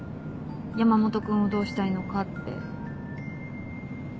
山本君をどうしたいのかって。